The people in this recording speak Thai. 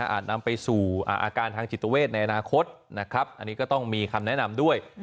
นำไปสู่อาการทางจิตเวทในอนาคตนะครับอันนี้ก็ต้องมีคำแนะนำด้วย